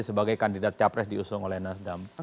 sebagai kandidat capres diusung oleh nasdem